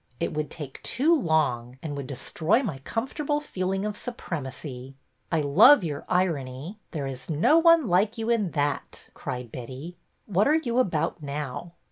It would take too long and would destroy my comfortable feeling of supremacy." '' I love your irony ! There is no one like you in that," cried Betty. '' What are you about now